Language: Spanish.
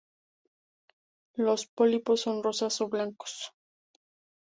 Los pólipos son rosas o blancos.